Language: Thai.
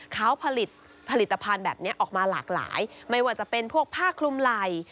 เขาผลิตผลิตภัณฑ์แบบนี้ออกมาหลากหลายไม่ว่าจะเป็นพวกผ้าคลุมไหล่